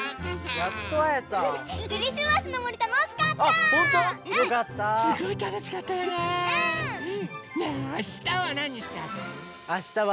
やった！